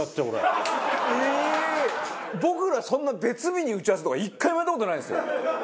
僕らそんな別日に打ち合わせとか１回もやった事ないですよ。